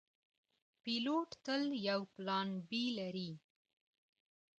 پیلوټ تل یو پلان “B” لري.